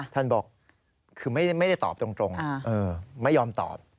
ท่านบอกคือไม่ได้ตอบตรงไม่ยอมตอบ